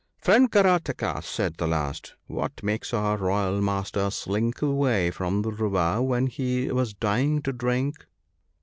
I Friend Karataka,' said the last, * what makes our royal master slink away from the river when he was dying to drink